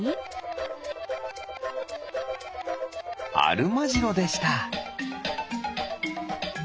アルマジロでした！